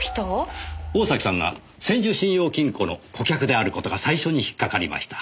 大崎さんが千住信用金庫の顧客である事が最初に引っかかりました。